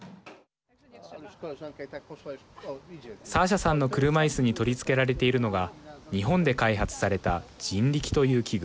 サーシャさんの車いすに取り付けられているのが日本で開発されたＪＩＮＲＩＫＩという器具。